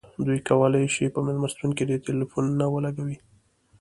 دوی کولی شي په میلمستون کې ډیر ټیلیفونونه ولګوي